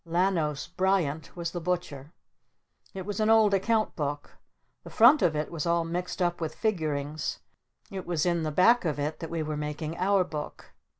Lanos Bryant was the Butcher. It was an old Account Book. The front of it was all mixed up with figurings. It was in the back of it that we were making Our Book.